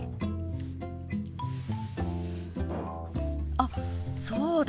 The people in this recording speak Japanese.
あそうだ！